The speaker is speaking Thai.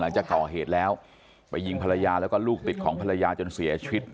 หลังจากก่อเหตุแล้วไปยิงภรรยาแล้วก็ลูกติดของภรรยาจนเสียชีวิต